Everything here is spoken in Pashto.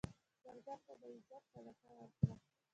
سوالګر ته د عزت صدقه ورکړه